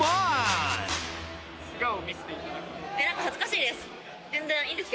・恥ずかしいです。